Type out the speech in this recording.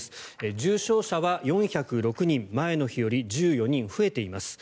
重症者は４０６人前の日より１４人増えています。